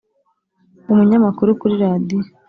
umunyamakuru kuri radiyo